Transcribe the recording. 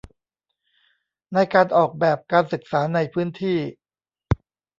ในการออกแบบการศึกษาในพื้นที่